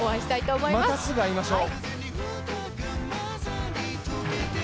またすぐ会いましょう。